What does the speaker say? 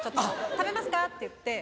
「食べますか？」って言って。